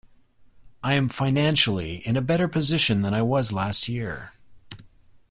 I am financially in a better position than I was last year.